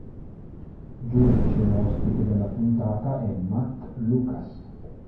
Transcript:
Giudice ospite della puntata è Matt Lucas.